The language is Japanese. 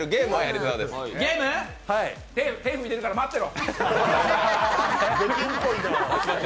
手、拭いてるから待ってろ！